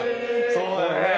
そうだよね。